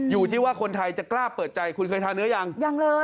อยู่ที่ว่าคนไทยจะกล้าเปิดใจคุณเคยทานเนื้อยังยังเลย